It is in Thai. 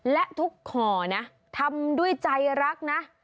และทุกขอนะทำด้วยใจรักนะ